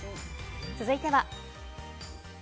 続いては。